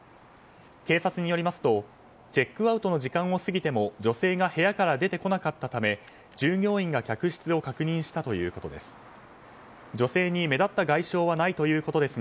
警察によりますとチェックアウトの時間を過ぎても女性が部屋から出てこなかったため従業員が客室を確認したということです。